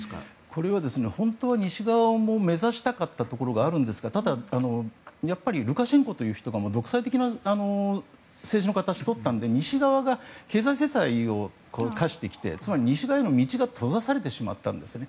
これは本当は西側を目指したかったところがあるんですがただ、やっぱりルカシェンコという人が独裁的な政治の形をとったので西側が経済制裁を科してきて、つまり西側への道が閉ざされてしまったんですね。